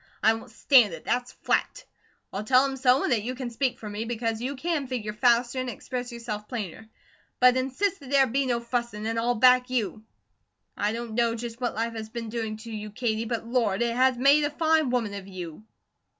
I won't stand it, that's flat! I'll tell 'em so, and that you speak for me, because you can figure faster and express yourself plainer; but insist that there be no fussing, an' I'll back you. I don't know just what life has been doing to you, Katie, but Lord! it has made a fine woman of you."